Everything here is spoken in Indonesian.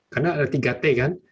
karena ada tiga t kan